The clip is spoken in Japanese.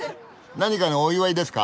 何かのお祝いですか？